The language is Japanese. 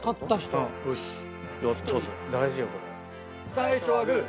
最初はグー。